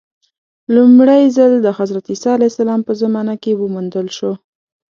لومړی ځل د حضرت عیسی علیه السلام په زمانه کې وموندل شو.